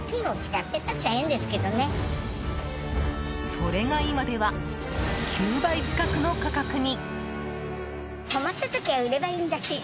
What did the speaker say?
それが今では９倍近くの価格に。